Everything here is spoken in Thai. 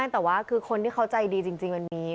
แต่ว่าคือคนที่เขาใจดีจริงวันนี้